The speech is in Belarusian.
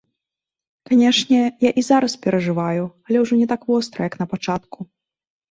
Канешне, я і зараз перажываю, але ўжо не так востра, як на пачатку.